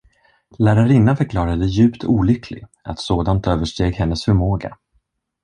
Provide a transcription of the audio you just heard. Lärarinnan förklarade djupt olycklig, att sådant översteg hennes förmåga.